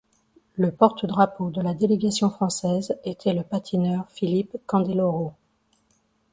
Le porte-drapeau de la délégation française était le patineur Philippe Candeloro.